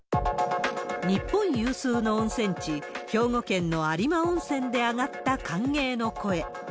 日本有数の温泉地、兵庫県の有馬温泉で上がった歓迎の声。